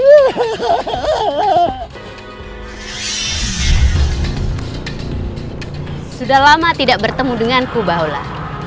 kau sudah lama tidak bertemu dengan ku baola